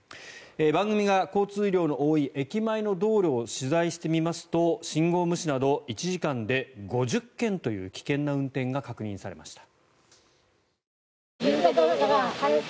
番組が交通量の多い駅前の道路を取材してみますと信号無視など１時間で５０件という危険な運転が確認されました。